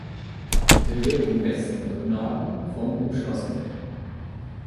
Der wird im Westen und Norden vom umschlossen.